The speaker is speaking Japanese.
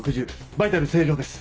バイタル正常です。